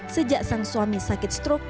sejak sang suami sakit strok